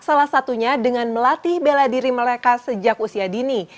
salah satunya dengan melatih bela diri mereka sejak usia dini